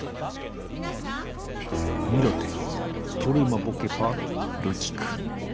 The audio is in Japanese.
ミロテトルマボケパルキク。